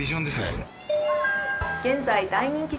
これ現在大人気